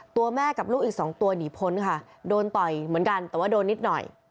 ตัวแม่กับลูกอีกสองตัวหนีพ้นค่ะโดนต่อยเหมือนกันแต่ว่าโดนนิดหน่อย